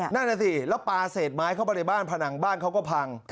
นั่นน่ะสิแล้วปลาเศษไม้เข้าไปในบ้านผนังบ้านเขาก็พัง